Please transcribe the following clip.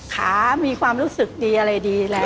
ขามีความรู้สึกดีอะไรดีแล้ว